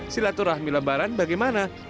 silaturahmi lebaran bagaimana